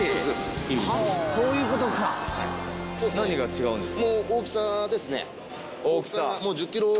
何が違うんですか？